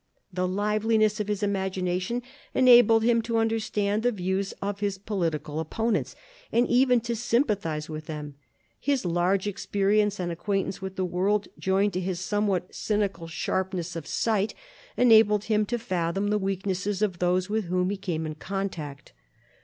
The liveliness of his imagination enabled him to understand the views of his political opponents, and even to sympathise with them. His large experience and acquaintance with the world, joined to his somewhat cynical sharpness of / 186 MARIA THERESA chap, viii sight, enabled him to fathom the weaknesses of those with whom he came in contact.